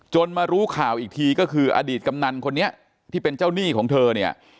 มารู้ข่าวอีกทีก็คืออดีตกำนันคนนี้ที่เป็นเจ้าหนี้ของเธอเนี่ย